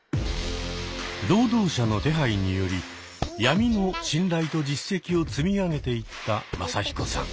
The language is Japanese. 労働者の手配により闇の信頼と実績を積み上げていったマサヒコさん。